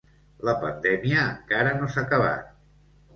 La pandèmia encara no s’ha acabat.